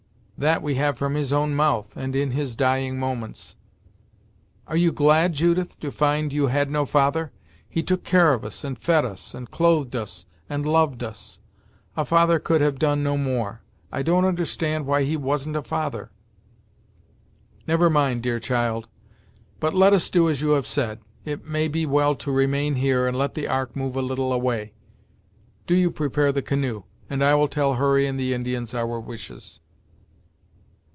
That we had from his own mouth, and in his dying moments." "Are you glad, Judith, to find you had no father! He took care of us, and fed us, and clothed us, and loved us; a father could have done no more. I don't understand why he wasn't a father." "Never mind, dear child, but let us do as you have said. It may be well to remain here, and let the Ark move a little away. Do you prepare the canoe, and I will tell Hurry and the Indians our wishes."